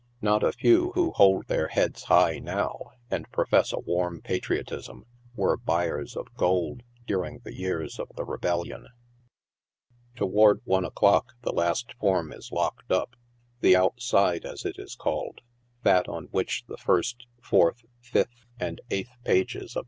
Not a few who hold their heads high now, and profess a warm patriotism, were buyers of gold during the years of the Rebellion. Toward one o'clock the last form is locked up — the outside, as it is called — that on which the first, fourth, fifth' and eighth page3 of 104 NIGHT SIDE OF NEW YORK.